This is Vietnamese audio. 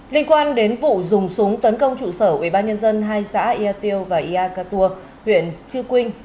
linh quan đến vụ dùng súng tấn công trụ sở ubnd hai xã ia tiêu và ia cát tua huyện chư quynh